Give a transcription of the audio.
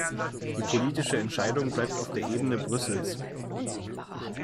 Die politische Entscheidung bleibt auf der Ebene Brüssels.